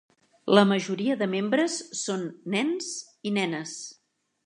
La majoria de membres són nens i nenes.